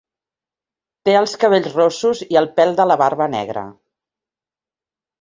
Té els cabells rossos i el pèl de la barba negre.